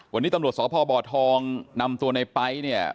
วันนี้ตำรวจสพบทองนำตัวในไป๊เนี่ย